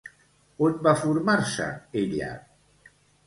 On va formar-se ella?